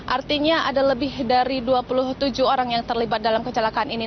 artinya ada lebih dari dua puluh tujuh orang yang terlibat dalam kecelakaan ini